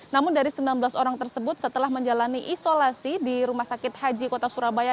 namun dari sembilan belas orang tersebut setelah menjalani isolasi di rumah sakit haji kota surabaya